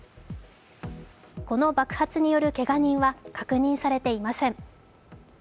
この爆発によるけが人は確認されていません。